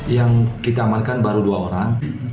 yang kita amankan baru dua orang